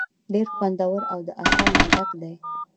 ډېر خوندور او د اثر نه ډک دے ۔